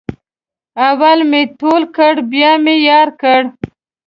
اول مې تول کړ بیا مې یار کړ.